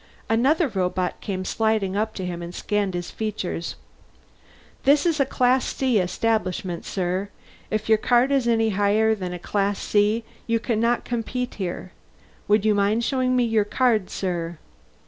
Another robot came sliding up to him and scanned his features. "This is a Class C establishment, sir. If your card is any higher than Class C you cannot compete here. Would you mind showing me your card, sir?"